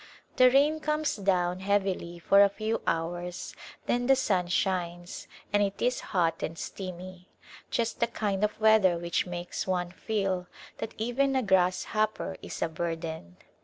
The rain comes down heavily for a few hours then the sun shines and it is hot and steamy, just the kind of weather which makes one feel that even a grass hopper is a burden.